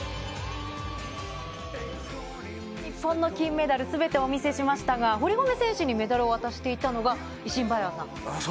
日本の金メダル、全てお見せしましたが、堀米選手にメダルを渡していたのがイシンバエワさん。